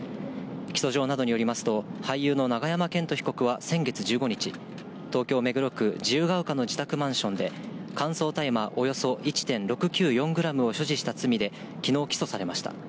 起訴状などによりますと、俳優の永山絢斗被告は先月１５日、東京・目黒区自由が丘の自宅マンションで、乾燥大麻およそ１．６９４グラムを所持した罪で、きのう起訴されました。